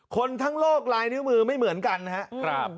คนทั้งโลกลายนิ้วมือไม่เหมือนกันนะครับ